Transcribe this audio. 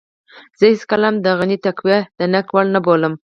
زه هېڅکله هم د غني تقوی د نقد وړ نه بولم.